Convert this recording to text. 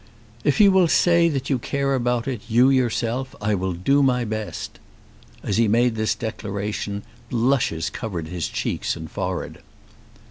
"If you will say that you care about it, you yourself, I will do my best." As he made this declaration blushes covered his cheeks and forehead.